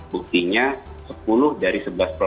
buktinya sepuluh dari sebelas provinsi yang terdampak